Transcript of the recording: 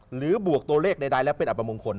บวกตัวเลขใดแล้วเป็นอัปมงคล